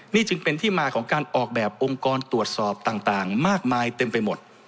นี่จึงเป็นที่มาของการออกแบบองค์กรตรวจสอบต่างมากมายเต็มไปหมด